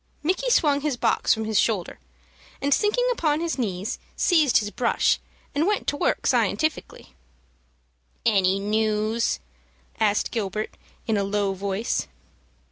Micky swung his box from his shoulder, and, sinking upon his knees, seized his brush, and went to work scientifically. "Any news?" asked Gilbert, in a low voice.